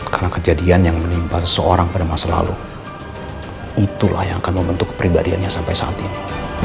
karena kejadian yang menimpa seseorang pada masa lalu itulah yang akan membentuk kepribadiannya sampai saat ini